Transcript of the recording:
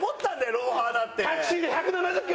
『ロンハー』だって。